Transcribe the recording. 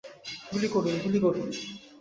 গুলি করুন, গুলি করুন!